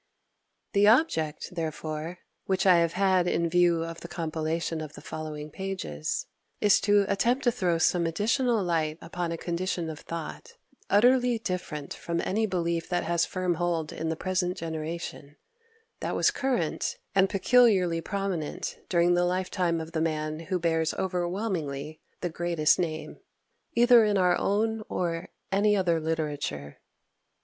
9. The object, therefore, which I have had in view in the compilation of the following pages, is to attempt to throw some additional light upon a condition of thought, utterly different from any belief that has firm hold in the present generation, that was current and peculiarly prominent during the lifetime of the man who bears overwhelmingly the greatest name, either in our own or any other literature.